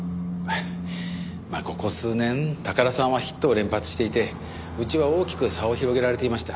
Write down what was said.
まあここ数年宝さんはヒットを連発していてうちは大きく差を広げられていました。